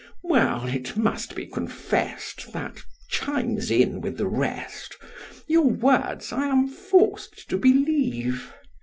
STREPS. Well, it must be confessed, that chimes in with the rest: your words I am forced to believe.